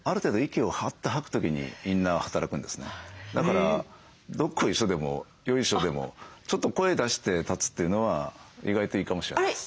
その意識の一つとしてだから「どっこいしょ」でも「よいしょ」でもちょっと声出して立つというのは意外といいかもしれないです。